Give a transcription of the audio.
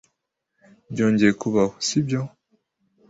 Byongeye kubaho, sibyo?